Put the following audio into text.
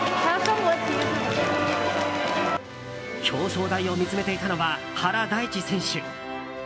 表彰台を見つめていたのは原大智選手。